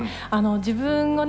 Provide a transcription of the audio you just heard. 自分をね